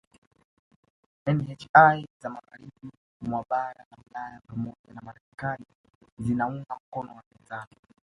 Nhi za magharibi mwa bara la Ulaya pamoja na Marekani zinaunga mkono wapinzani